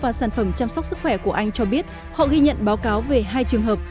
cơ quan quản lý thuốc và sản phẩm chăm sóc sức khỏe của anh cho biết họ ghi nhận báo cáo về hai trường hợp